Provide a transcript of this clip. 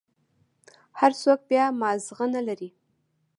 هر سوک بيا مازغه نلري.